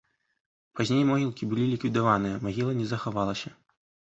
Пазней могілкі было ліквідаваныя, магіла не захавалася.